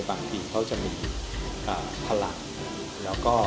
บางทีเขาจะมีพลัง